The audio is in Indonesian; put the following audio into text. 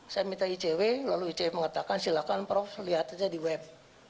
saya minta icw lalu icw mengatakan silahkan prof lihat aja di web